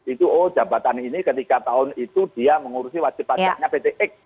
itu oh jabatan ini ketika tahun itu dia mengurusi wajib pajaknya pt x